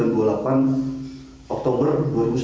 video itu terjadi di kaimana